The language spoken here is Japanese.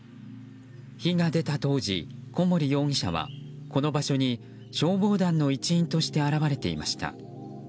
火が出た当時、小守容疑者はこの場所に、消防団の一員として現れていました。